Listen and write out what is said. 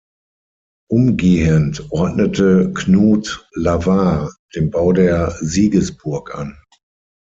Umgehend ordnete Knud Lavard den Bau der Siegesburg an.